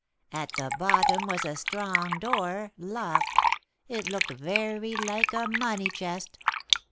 At the bottom was a strong door, locked, it looked very like a money chest.